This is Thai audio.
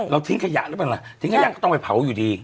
ทิ้งขยะหรือเปล่าล่ะทิ้งขยะก็ต้องไปเผาอยู่ดี